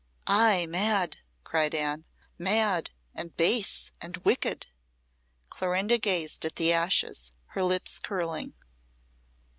"Ay, mad!" cried Anne "mad, and base, and wicked!" Clorinda gazed at the ashes, her lips curling.